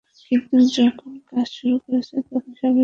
কিন্তু যখন কাজ শুরু হয়েছে, তখন স্বাভাবিকভাবেই সবকিছুর দাম বেড়ে গেছে।